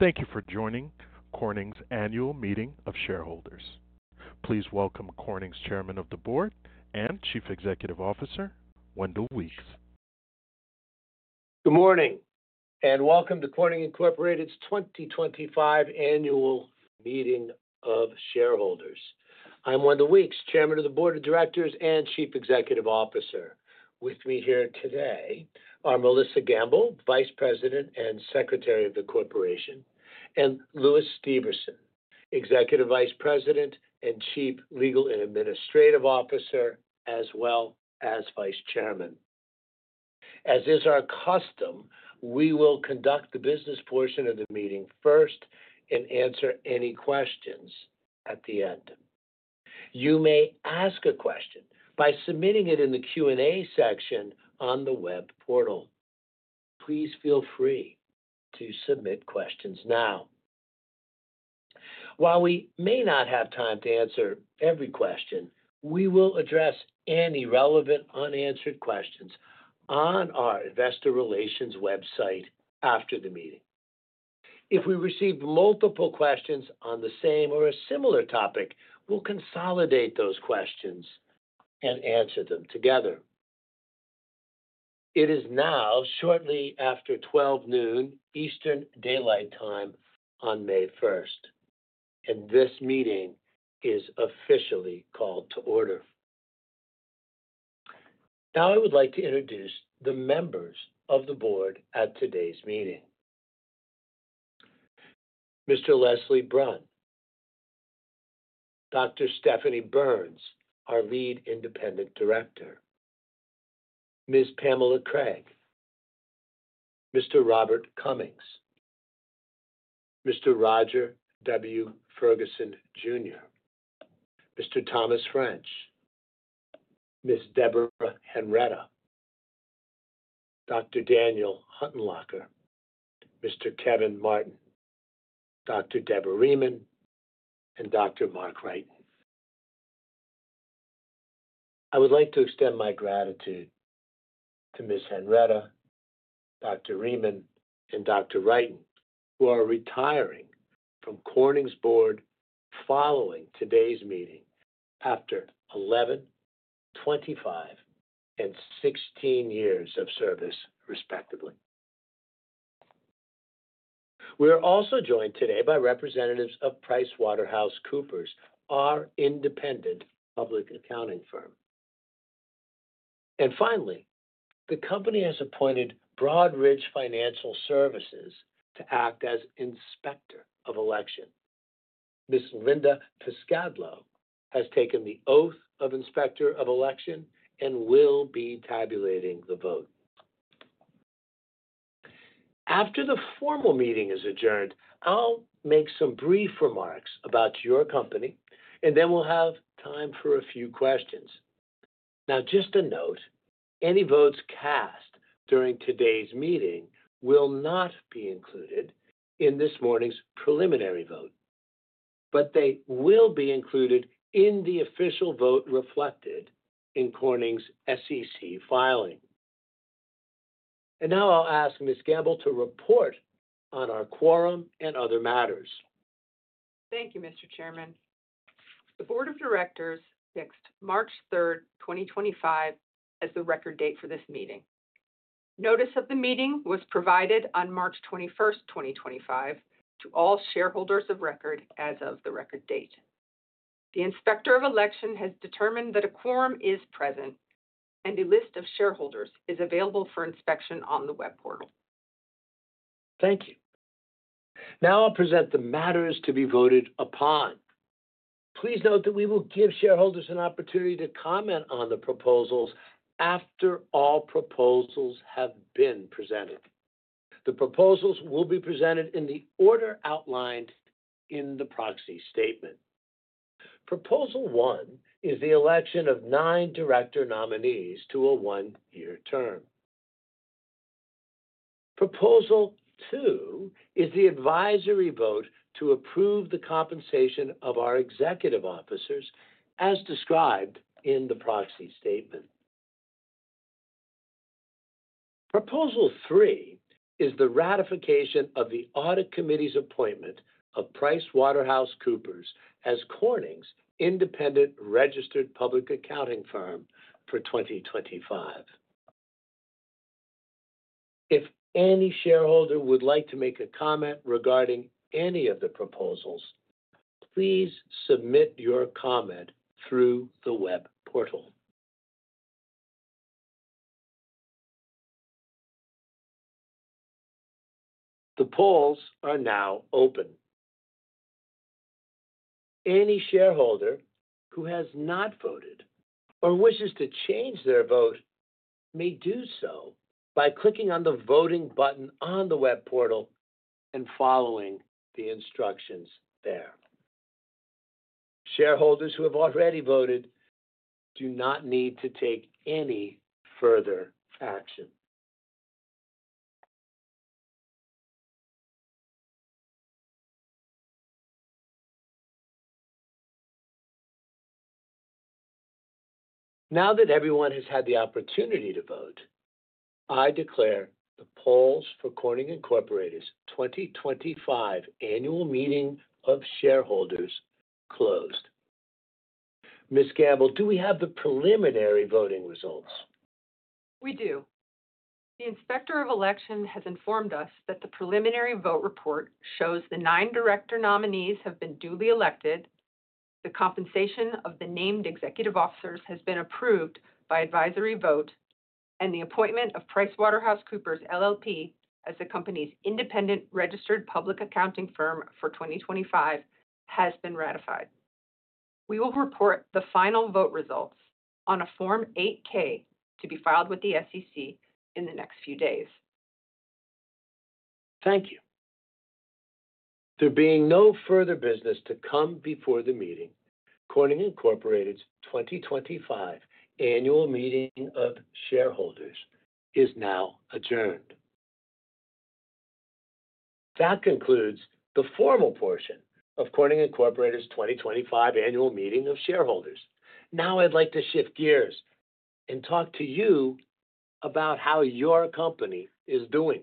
Thank you for joining Corning's annual meeting of shareholders. Please welcome Corning's Chairman of the Board and Chief Executive Officer, Wendell Weeks. Good morning and welcome to Corning Incorporated's 2025 annual meeting of shareholders. I'm Wendell Weeks, Chairman of the Board of Directors and Chief Executive Officer. With me here today are Melissa Gambol, Vice President and Secretary of the Corporation, and Lewis Steverson, Executive Vice President and Chief Legal and Administrative Officer, as well as Vice Chairman. As is our custom, we will conduct the business portion of the meeting first and answer any questions at the end. You may ask a question by submitting it in the Q&A section on the web portal. Please feel free to submit questions now. While we may not have time to answer every question, we will address any relevant unanswered questions on our Investor Relations website after the meeting. If we receive multiple questions on the same or a similar topic, we'll consolidate those questions and answer them together. It is now shortly after 12:00 noon Eastern Daylight Time on May 1, and this meeting is officially called to order. Now I would like to introduce the members of the Board at today's meeting: Mr. Leslie Brun, Dr. Stephanie Burns, our Lead Independent Director, Ms. Pamela Craig, Mr. Robert Cummings, Mr. Roger W. Ferguson Jr., Mr. Thomas French, Ms. Deborah Henretta, Dr. Daniel Huttenlocher, Mr. Kevin Martin, Dr. Deborah Rieman, and Dr. Mark Wrighton. I would like to extend my gratitude to Ms. Henretta, Dr. Rieman, and Dr. Wrighton, who are retiring from Corning's Board following today's meeting after 11, 25, and 16 years of service, respectively. We are also joined today by representatives of PricewaterhouseCoopers LLP, our independent public accounting firm. Finally, the company has appointed Broadridge Financial Services to act as Inspector of Election. Ms. Linda Piscadlo has taken the oath of Inspector of Election and will be tabulating the vote. After the formal meeting is adjourned, I'll make some brief remarks about your company, and then we'll have time for a few questions. Just a note: any votes cast during today's meeting will not be included in this morning's preliminary vote, but they will be included in the official vote reflected in Corning's SEC filing. Now I'll ask Ms. Gambol to report on our quorum and other matters. Thank you, Mr. Chairman. The Board of Directors fixed March 3, 2025, as the record date for this meeting. Notice of the meeting was provided on March 21, 2025, to all shareholders of record as of the record date. The Inspector of Election has determined that a quorum is present, and a list of shareholders is available for inspection on the web portal. Thank you. Now I'll present the matters to be voted upon. Please note that we will give shareholders an opportunity to comment on the proposals after all proposals have been presented. The proposals will be presented in the order outlined in the proxy statement. Proposal one is the election of nine director nominees to a one-year term. Proposal two is the advisory vote to approve the compensation of our executive officers as described in the proxy statement. Proposal three is the ratification of the Audit Committee's appointment of PricewaterhouseCoopers as Corning's independent registered public accounting firm for 2025. If any shareholder would like to make a comment regarding any of the proposals, please submit your comment through the web portal. The polls are now open. Any shareholder who has not voted or wishes to change their vote may do so by clicking on the voting button on the web portal and following the instructions there. Shareholders who have already voted do not need to take any further action. Now that everyone has had the opportunity to vote, I declare the polls for Corning Incorporated's 2025 annual meeting of shareholders closed. Ms. Gambol, do we have the preliminary voting results? We do. The Inspector of Election has informed us that the preliminary vote report shows the nine director nominees have been duly elected, the compensation of the named executive officers has been approved by advisory vote, and the appointment of PricewaterhouseCoopers LLP as the company's independent registered public accounting firm for 2025 has been ratified. We will report the final vote results on a Form 8-K to be filed with the SEC in the next few days. Thank you. There being no further business to come before the meeting, Corning Incorporated's 2025 annual meeting of shareholders is now adjourned. That concludes the formal portion of Corning Incorporated's 2025 annual meeting of shareholders. Now I'd like to shift gears and talk to you about how your company is doing.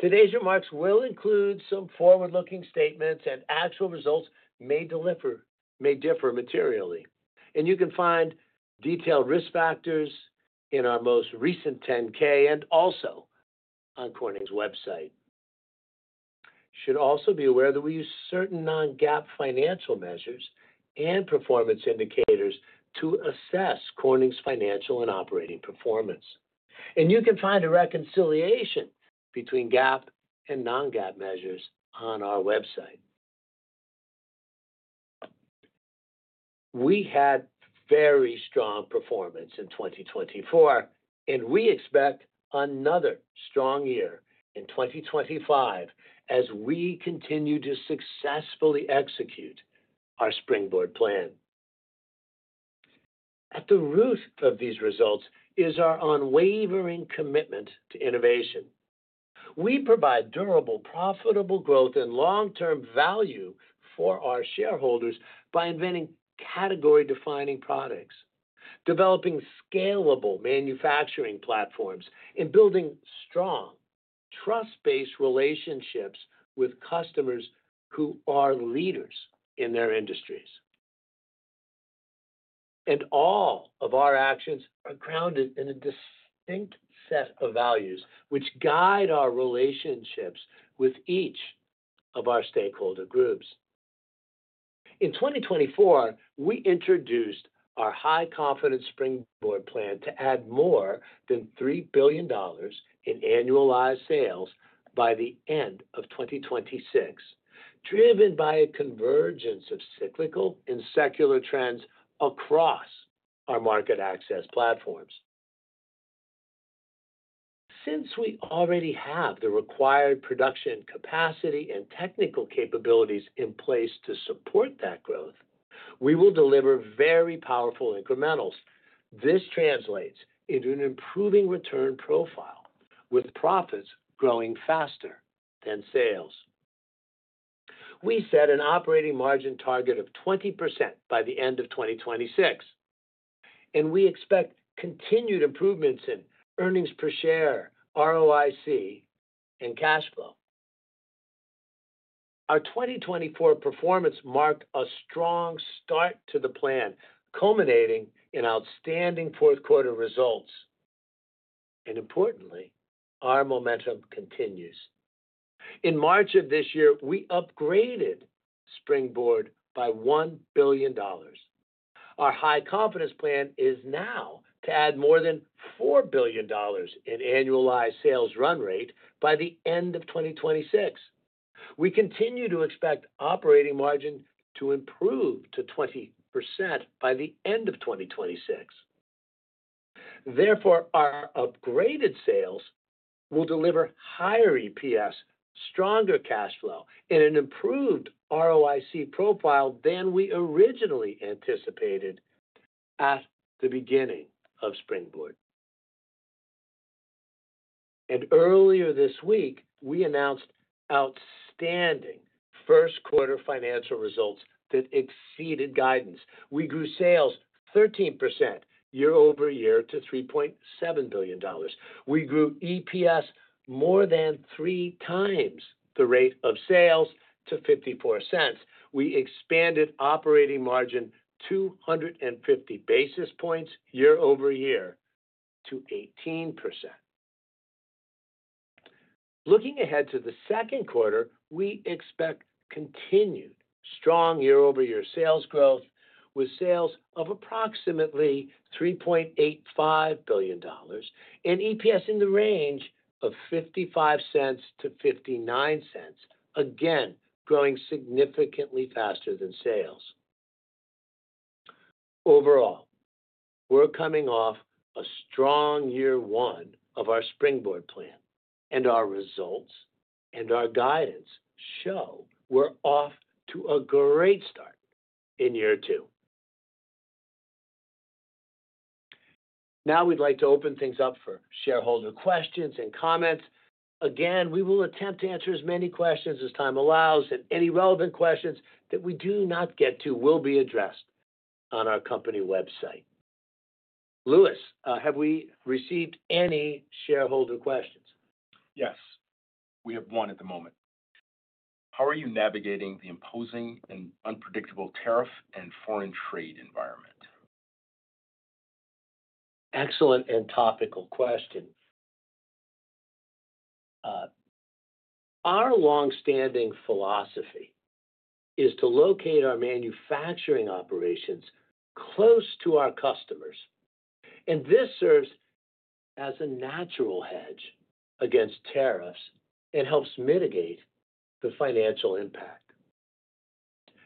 Today's remarks will include some forward-looking statements, and actual results may differ materially. You can find detailed risk factors in our most recent 10-K and also on Corning's website. You should also be aware that we use certain non-GAAP financial measures and performance indicators to assess Corning's financial and operating performance. You can find a reconciliation between GAAP and non-GAAP measures on our website. We had very strong performance in 2024, and we expect another strong year in 2025 as we continue to successfully execute our Springboard plan. At the root of these results is our unwavering commitment to innovation. We provide durable, profitable growth and long-term value for our shareholders by inventing category-defining products, developing scalable manufacturing platforms, and building strong, trust-based relationships with customers who are leaders in their industries. All of our actions are grounded in a distinct set of values which guide our relationships with each of our stakeholder groups. In 2024, we introduced our high-confidence Springboard plan to add more than $3 billion in annualized sales by the end of 2026, driven by a convergence of cyclical and secular trends across our Market-Access Platforms. Since we already have the required production capacity and technical capabilities in place to support that growth, we will deliver very powerful incrementals. This translates into an improving return profile with profits growing faster than sales. We set an operating margin target of 20% by the end of 2026, and we expect continued improvements in earnings per share, ROIC, and cash flow. Our 2024 performance marked a strong start to the plan, culminating in outstanding fourth-quarter results. Importantly, our momentum continues. In March of this year, we upgraded Springboard by $1 billion. Our high-confidence plan is now to add more than $4 billion in annualized sales run rate by the end of 2026. We continue to expect operating margin to improve to 20% by the end of 2026. Therefore, our upgraded sales will deliver higher EPS, stronger cash flow, and an improved ROIC profile than we originally anticipated at the beginning of Springboard. Earlier this week, we announced outstanding first-quarter financial results that exceeded guidance. We grew sales 13% year-over-year to $3.7 billion. We grew EPS more than three times the rate of sales to $0.54. We expanded operating margin 250 basis points year-over-year to 18%. Looking ahead to the second quarter, we expect continued strong year-over-year sales growth with sales of approximately $3.85 billion and EPS in the range of $0.55-$0.59, again growing significantly faster than sales. Overall, we're coming off a strong year one of our Springboard plan, and our results and our guidance show we're off to a great start in year two. Now we'd like to open things up for shareholder questions and comments. Again, we will attempt to answer as many questions as time allows, and any relevant questions that we do not get to will be addressed on our company website. Lewis, have we received any shareholder questions? Yes. We have one at the moment. How are you navigating the imposing and unpredictable tariff and foreign trade environment? Excellent and topical question. Our longstanding philosophy is to locate our manufacturing operations close to our customers, and this serves as a natural hedge against tariffs and helps mitigate the financial impact.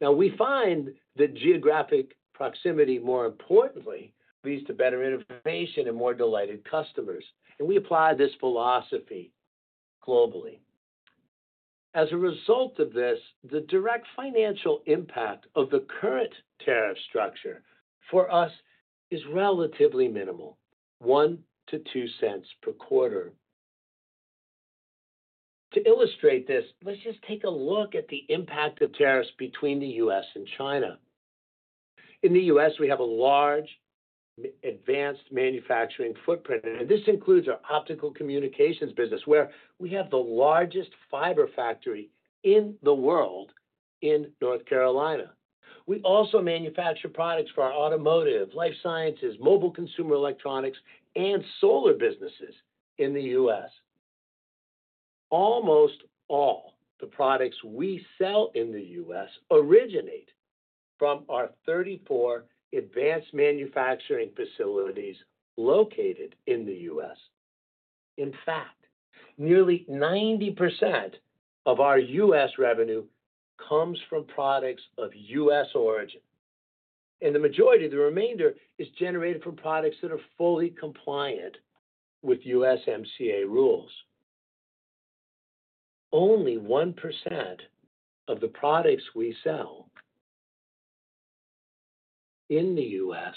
Now, we find that geographic proximity, more importantly, leads to better information and more delighted customers, and we apply this philosophy globally. As a result of this, the direct financial impact of the current tariff structure for us is relatively minimal, one to two cents per quarter. To illustrate this, let's just take a look at the impact of tariffs between the U.S. and China. In the U.S., we have a large advanced manufacturing footprint, and this includes our Optical Communications business, where we have the largest fiber factory in the world in North Carolina. We also manufacture products for our Automotive, Life Sciences, Mobile Consumer Electronics, and solar businesses in the U.S. Almost all the products we sell in the U.S. originate from our 34 advanced manufacturing facilities located in the U.S. In fact, nearly 90% of our U.S. revenue comes from products of U.S. origin, and the majority, the remainder, is generated from products that are fully compliant with USMCA rules. Only 1% of the products we sell in the U.S.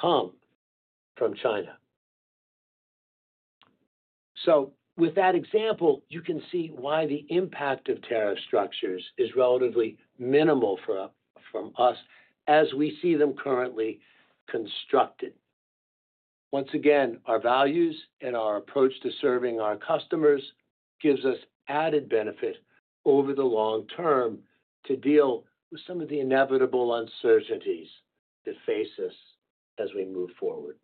come from China. With that example, you can see why the impact of tariff structures is relatively minimal from us as we see them currently constructed. Once again, our values and our approach to serving our customers gives us added benefit over the long term to deal with some of the inevitable uncertainties that face us as we move forward.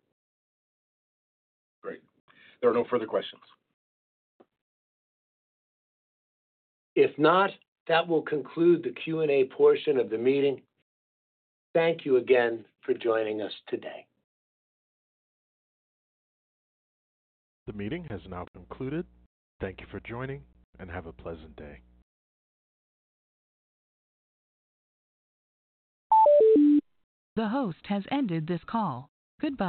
Great. There are no further questions. If not, that will conclude the Q&A portion of the meeting. Thank you again for joining us today. The meeting has now concluded. Thank you for joining, and have a pleasant day. The host has ended this call. Good.